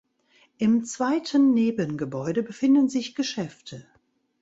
Im zweiten Nebengebäude befinden sich Geschäfte.